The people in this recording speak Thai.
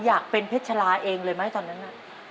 อยากเป็นเพชราเองเลยไหมตอนนั้นน่ะ